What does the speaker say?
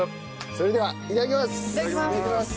それではいただきます！